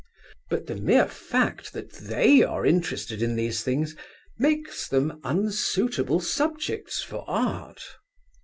But the mere fact that they are interested in these things makes them unsuitable subjects for Art.